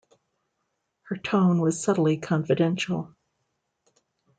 Her tone was subtly confidential.